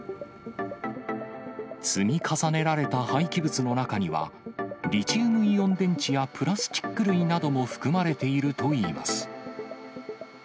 積み重ねられた廃棄物の中には、リチウムイオン電池やプラスチック類なども含まれているといいます。